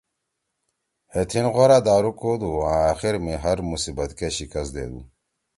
ہے تھیِن غورا دارُو کودُو آں أخیر می ہر مصیبت کے شکست دیدُو۔